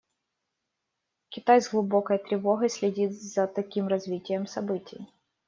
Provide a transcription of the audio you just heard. Китай с глубокой тревогой следит за таким развитием событий.